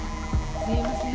すいません